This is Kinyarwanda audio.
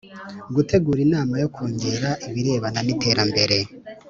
Gutegura inama yo Kongera ibirebana n iterambere